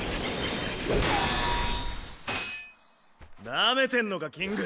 なめてんのかキング！